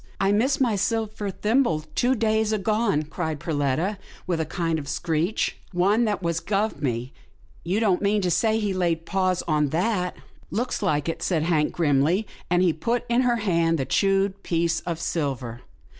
" I missed my silver thimble two days agone," cried Perletta with a kind of screech, " one that was guv me — you don't mean to say he laid paws on that?" " Looks like it," said Hank, grimly, and he put in her hand the chewed piece of silver.